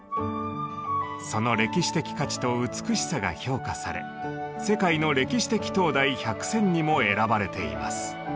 その歴史的価値と美しさが評価され「世界の歴史的灯台１００選」にも選ばれています。